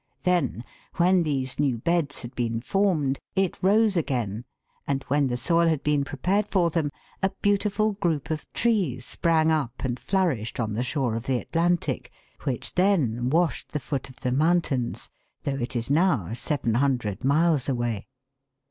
Then, when these new beds had been formed, it rose again, and when the soil had been prepared for them, a beautiful group of trees sprang up and flourished on the shore of the Atlantic, which then washed the foot of the mountains, though it is now 700 miles away.